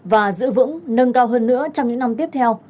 và giữ vững nâng cao hơn nữa trong những năm tiếp theo